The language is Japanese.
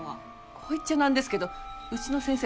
こう言っちゃ何ですけどうちの先生